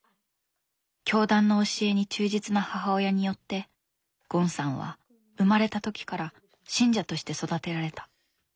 教団の教えに忠実な母親によってゴンさんは生まれた時から信者として育てられた。